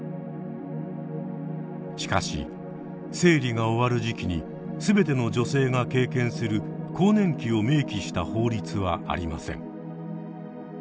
しかし生理が終わる時期に全ての女性が経験する更年期を明記した法律はありません。